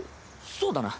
そうだな。